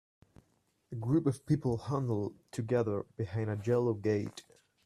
A group of people huddled together behind a yellow gate.